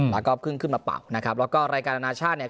แล้วก็เพิ่งขึ้นมาเป่านะครับแล้วก็รายการอนาชาติเนี่ย